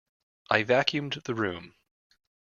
I vacuumed the room.